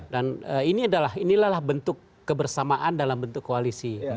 dan ini adalah bentuk kebersamaan dalam bentuk koalisi